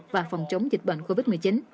và phòng chống dịch bệnh covid một mươi chín